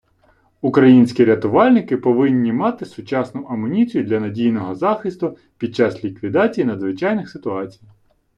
Українські рятувальники повинні мати сучасну амуніцію для надійного захисту під час ліквідації надзвичайних ситуацій